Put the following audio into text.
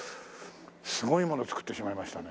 すごいもの造ってしまいましたね。